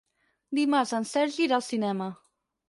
Dimarts en Sergi irà al cinema.